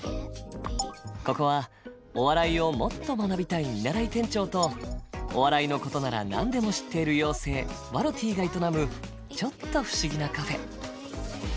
ここはお笑いをもっと学びたい見習い店長とお笑いのことなら何でも知っている妖精ワロティが営むちょっと不思議なカフェ。